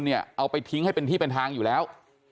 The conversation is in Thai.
เอาไปทิ้งให้เป็นที่เป็นทางอยู่แล้ว